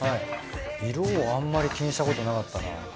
色をあんまり気にしたことなかったなぁ。